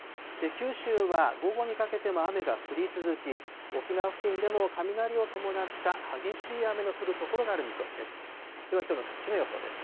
九州は午後にかけても雨が降り続き、沖縄付近でも雷を伴った激しい雨の降る所がある見込みです。